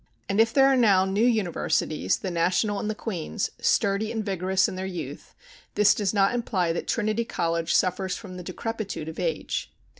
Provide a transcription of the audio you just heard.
And if there are now new universities, the National and the Queen's, sturdy and vigorous in their youth, this does not imply that Trinity College suffers from the decreptitude of age.